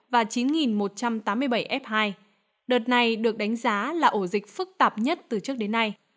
và chín một trăm tám mươi bảy f hai đợt này được đánh giá là ổ dịch phức tạp nhất từ trước đến nay